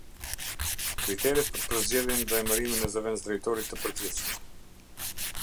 Kriteret për përzgjedhjen dhe emërimin e Zëvendës Drejtorit të Përgjithshëm.